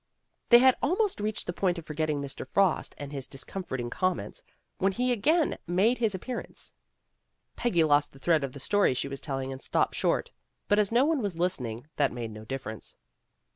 They had almost reached the point of forgetting Mr. Frost and his discomforting comments, when he again made his appearance. Peggy lost the thread of the story she was telling and stopped short, but as no one was listening, that made no difference. Mr.